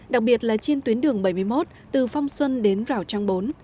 đặc biệt là trên tuyến đường bảy mươi một từ phong xuân đến rào trang bốn